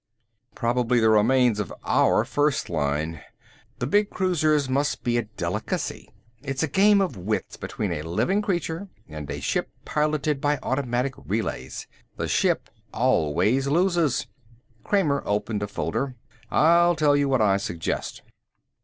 "Probably the remains of our first line. The big cruisers must be a delicacy. It's a game of wits, between a living creature and a ship piloted by automatic relays. The ship always loses." Kramer opened a folder. "I'll tell you what I suggest."